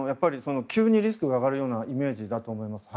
急にリスクが上がるイメージだと思います。